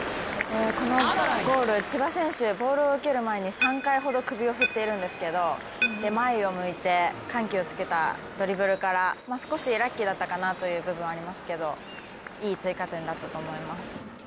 このゴール、千葉選手ボールを受ける前に３回ほど首を振っているんですけれども前を向いて、緩急つけたドリブルから、少しラッキーだったかなという部分はありますけど、いい追加点だったと思います。